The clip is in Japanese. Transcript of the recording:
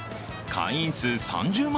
会員数３０万